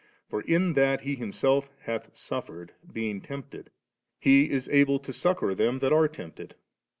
For in that He Himself hath suffered being tempted. He is able to succour them that are tempted.